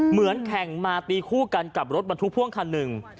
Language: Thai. เหมือนแข่งมาตีคู่กันกับรถบรรทุกพ่วงคันหนึ่ง